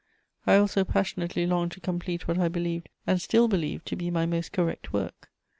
I also passionately longed to complete what I believed and still believe to be my most correct work.